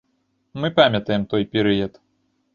Мы памятаем той перыяд.